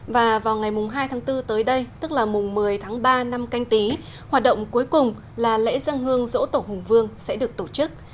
và vào ngày hai tháng bốn tới đây tức là mùng một mươi tháng ba năm canh tí hoạt động cuối cùng là lễ dân hương dỗ tổ hùng vương sẽ được tổ chức